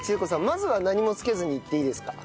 まずは何もつけずにいっていいですか？